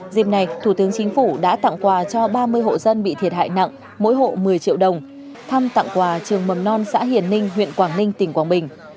dịp này thủ tướng chính phủ đã tặng quà cho ba mươi hộ dân bị thiệt hại nặng mỗi hộ một mươi triệu đồng thăm tặng quà trường mầm non xã hiền ninh huyện quảng ninh tỉnh quảng bình